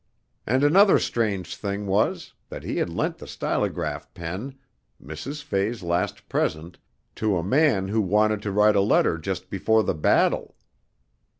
And another strange thing was that he had lent the stylographic pen Mrs. Fay's last present to a man who wanted to write a letter just before the battle.